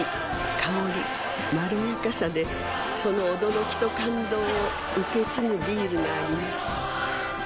香りまろやかさでその驚きと感動を受け継ぐビールがあります